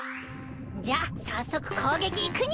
じゃあさっそくこうげきいくにゃ！